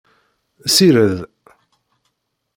Ssired.